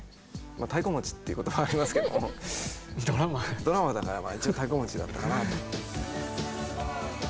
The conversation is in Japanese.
たいこ持ちっていう言葉ありますけどもドラマーだから一応たいこ持ちだったかなと。